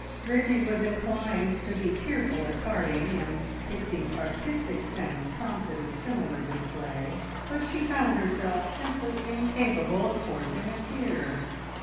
Bridgie was inclined to be tearful at parting, and Pixie's artistic sense prompted a similar display, but she found herself simply incapable of forcing a tear.